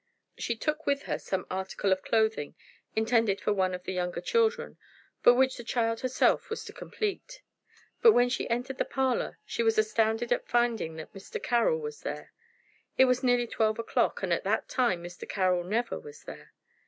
She took with her some article of clothing intended for one of the younger children, but which the child herself was to complete. But when she entered the parlor she was astounded at finding that Mr. Carroll was there. It was nearly twelve o'clock, and at that time Mr. Carroll never was there.